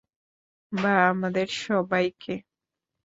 বা আমাদের সবাইকে?